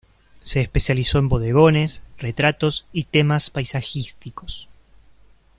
Se especializó en bodegones, retratos y temas paisajísticos.